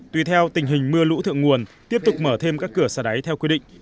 tùy theo tình hình mưa lũ thượng nguồn tiếp tục mở thêm các cửa xả đáy theo quy định